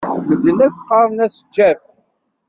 Medden akk ɣɣaren-as Jeff.